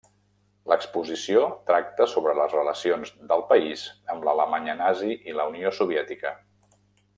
L'exposició tracta sobre les relacions del país amb l'Alemanya nazi i la Unió Soviètica.